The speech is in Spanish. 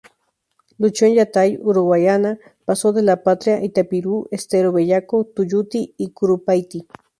Luchó en Yatay, Uruguayana, Paso de la Patria, Itapirú, Estero Bellaco, Tuyutí y Curupaytí.